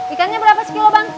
ikannya berapa sekilo bang